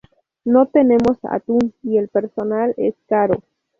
No tenemos atún, y el personal es caro.